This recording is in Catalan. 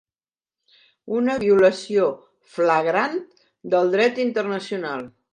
Una violació flagrant del dret internacional.